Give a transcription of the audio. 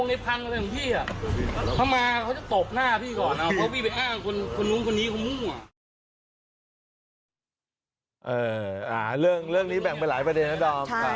เรื่องนี้แบ่งไปหลายประเด็นนะดอม